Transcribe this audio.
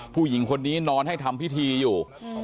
ผู้หญิงคนนี้นอนให้ทำพิธีอยู่